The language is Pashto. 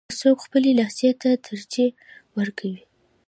که څوک خپلې لهجې ته ترجیح ورکوي.